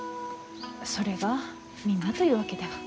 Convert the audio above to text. それがみんなというわけでは。